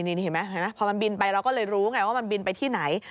นี่เห็นไหมพอมันบินไปเราก็เลยรู้ไงว่ามันบินไปที่ไหน